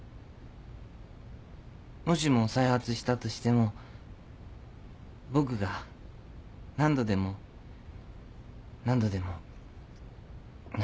もしも再発したとしても僕が何度でも何度でも治します。